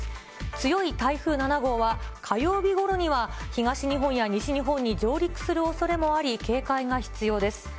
強い台風７号は、火曜日ごろには、東日本や西日本に上陸するおそれもあり、警戒が必要です。